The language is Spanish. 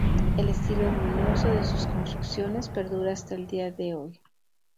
El estilo armonioso de sus construcciones perdura hasta el día de hoy.